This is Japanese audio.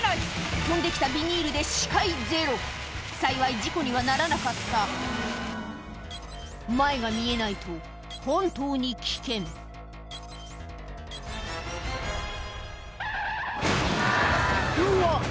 飛んで来たビニールで視界ゼロ幸い事故にはならなかった前が見えないと本当に危険うわ！